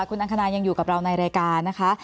คุณอังคณายังอยู่กับเราในรายการนะคะ